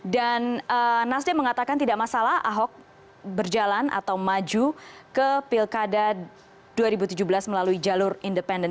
dan nasdem mengatakan tidak masalah ahok berjalan atau maju ke pilkada dua ribu tujuh belas melalui jalur independen